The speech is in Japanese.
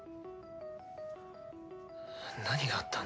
何があったんだよ